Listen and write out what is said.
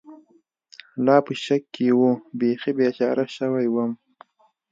لا په شک کې و، بېخي بېچاره شوی ووم.